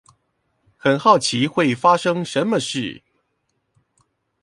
很好奇會發生什麼事